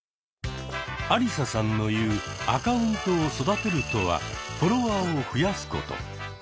アリサさんのいう「アカウントを育てる」とはフォロワーを増やすこと。